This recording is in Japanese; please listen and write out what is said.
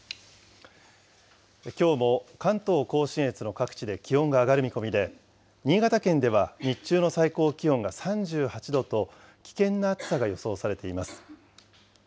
きょうも関東甲信越の各地で気温が上がる見込みで、新潟県では日中の最高気温が３８度と、危険な暑さが予想されています。